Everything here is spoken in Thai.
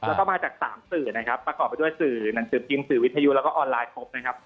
แล้วก็มาจากสามสื่อนะครับประกอบไปด้วยสื่อหนังสือพิมพ์สื่อวิทยุแล้วก็ออนไลน์ครบนะครับ